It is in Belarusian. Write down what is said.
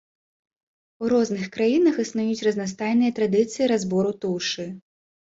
У розных краінах існуюць разнастайныя традыцыі разбору тушы.